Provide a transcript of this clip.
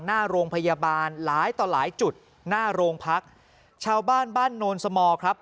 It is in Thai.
หน้าโรงพยาบาลหลายต่อหลายจุดหน้าโรงพักชาวบ้านบ้านโนนสมอครับ